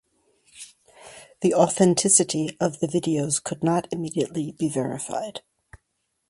The authenticity of the videos could not immediately be verified.